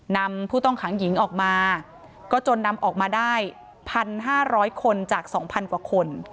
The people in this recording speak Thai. นำผู้ต้องขังหญิงออกมาก็จนนำออกมาได้๑๕๐๐คนจาก๒๐๐กว่าคน